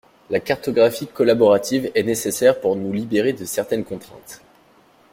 La cartographie collaborative est nécessaire pour nous libérer de certaines contraintes.